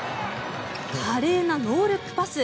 華麗なノールックパス。